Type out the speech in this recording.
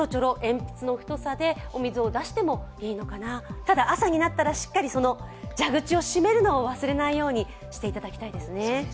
ただ、朝になったらしっかり蛇口を閉めるのを忘れないようにしていただきたいですね。